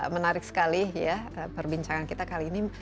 menarik sekali ya perbincangan kita kali ini